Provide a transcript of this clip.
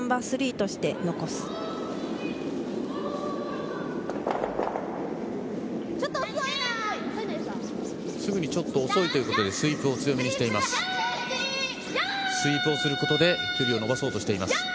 すぐにちょっと遅いということで、スイープを強めにしています。